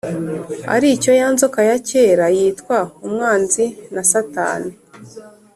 ari cyo ya nzoka ya kera yitwa Umwanzi na Satani,